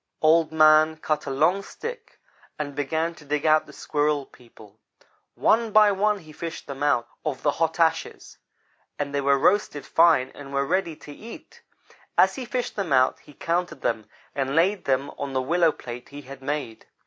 Old man cut a long stick and began to dig out the Squirrel people. One by one he fished them out of the hot ashes; and they were roasted fine and were ready to eat. As he fished them out he counted them, and laid them on the willow plate he had made.